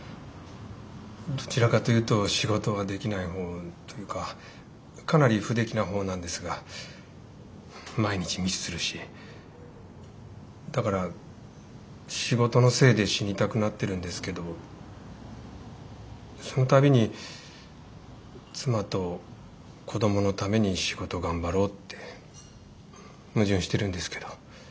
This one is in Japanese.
どちらかというと仕事はできない方というかかなり不出来な方なんですが毎日ミスするしだから仕事のせいで死にたくなってるんですけどその度に妻と子供のために仕事頑張ろうって矛盾してるんですけど。